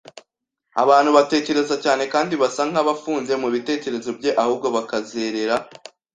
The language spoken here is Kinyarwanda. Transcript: abantu batekereza cyane kandi basa nkabafunze mubitekerezo bye ahubwo bakazerera.